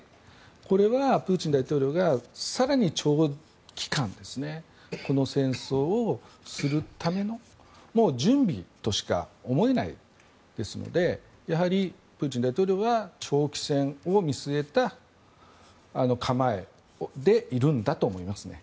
これはプーチン大統領が更に長期間この戦争をするための準備としか思えないですのでやはりプーチン大統領は長期戦を見据えた構えでいるんだと思いますね。